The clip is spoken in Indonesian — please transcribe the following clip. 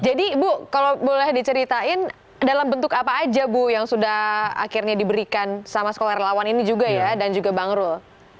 jadi ibu kalau boleh diceritain dalam bentuk apa aja bu yang sudah akhirnya diberikan sama sekolah relawan ini juga ya dan juga bang eroh